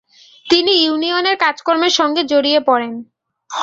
তিনি ইউনিয়নের কাজকর্মের সঙ্গে জড়িয়ে পড়েন।